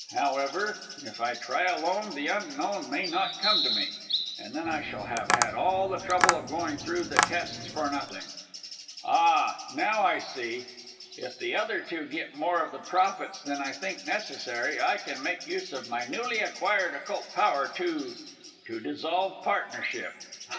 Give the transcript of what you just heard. However, if I try alone, the Unknown may not come to me, and then I shall have had all the trouble of going through the tests for nothing!... Ah! now I see! If the other two get more of the profits than I think necessary I can make use of my newly acquired Occult Power to to dissolve partnership!